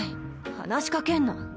話しかけんな。